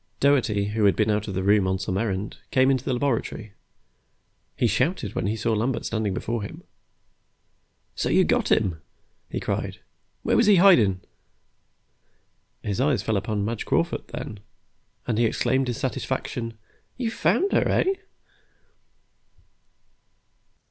Doherty, who had been out of the room on some errand, came into the laboratory. He shouted when he saw Lambert standing before him. "So you got him," he cried. "Where was he hidin'?" His eyes fell upon Madge Crawford, then, and he exclaimed in satisfaction. "You found her, eh?"